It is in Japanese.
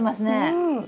うん！